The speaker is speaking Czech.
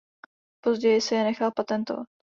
Později si je nechal patentovat.